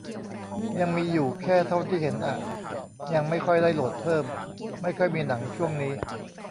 ยังมีอยู่แค่เท่าที่เห็นอะ ยังไม่ค่อยได้โหลดเพิ่ม ไม่ค่อยมีหนังช่วงนี้